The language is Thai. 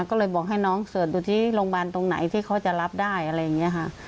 ก็เลยบอกให้น้องเสิร์ชดูที่โรงพยาบาลตรงไหนที่เขาจะรับได้อะไรอย่างนี้ค่ะ